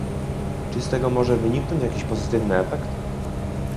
Czy z tego może wyniknąć jakiś pozytywny efekt?